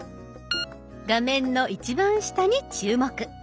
画面の一番下に注目。